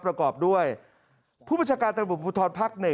ประกอบด้วยผู้บัชการตำรวจพุทธรรมภาค๑